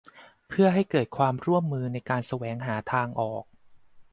เพื่อให้เกิดความร่วมมือในการแสวงหาทางออก